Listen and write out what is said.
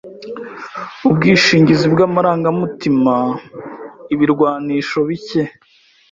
Ubwishingizi bw'amarangamutima, ibirwanisho bike